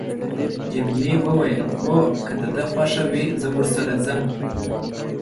جميلې وويل: هو، که د ده خوښه وي، زه ورسره ځم.